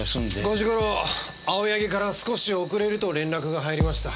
５時ごろ青柳から少し遅れると連絡が入りました。